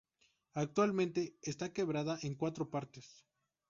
Actualmente está quebrada en cuatro partes.